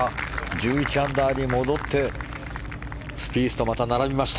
１１アンダーに戻ってスピースとまた並びました。